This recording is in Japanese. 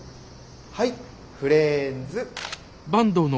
はいフレンズ。